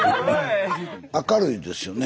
明るいですよね。